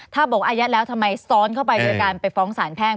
ถ้าบอกอายัดแล้วทำไมซ้อนเข้าไปโดยการไปฟ้องสารแพ่ง